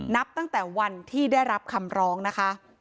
นับตั้งแต่วันที่ได้รับคำร้องนะคะ